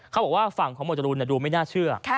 เขาบอกว่าฝั่งของหมวดจรูนดูไม่น่าเชื่อ